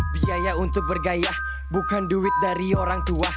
biaya untuk bergaya bukan duit dari orang tua